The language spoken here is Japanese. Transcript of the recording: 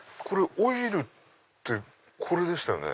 オイルってこれでしたよね？